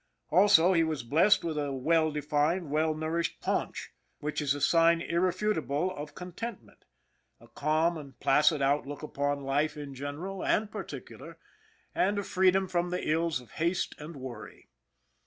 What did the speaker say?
Also, he was blessed with a well defined, well nourished paunch which is a sign irrefutable of con tentment, a calm and placid outlook upon life in general SPITZER 69 and particular, and a freedom from the ills of haste and worry.